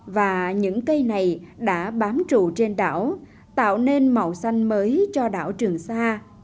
và những cây này đã bám trụ trên đảo tạo nên màu xanh mới cho đảo trường sa